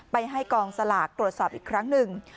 ไปให้กองสลากตรวจสอบอีกครั้งหนึ่ง